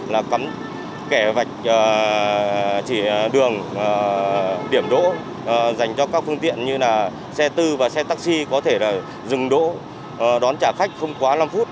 là cấm kẻ vạch chỉ đường điểm đỗ dành cho các phương tiện như là xe tư và xe taxi có thể là dừng đỗ đón trả khách không quá năm phút